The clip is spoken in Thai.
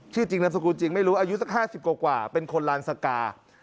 ชื่อจริงนามสกุลจริงไม่รู้อายุสัก๕๐กว่าเป็นคนลานสกา